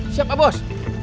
siap pak bos